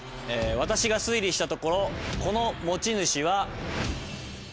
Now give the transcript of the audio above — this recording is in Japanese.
私が推理したところこの持ち主は。